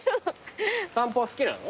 散歩は好きなの？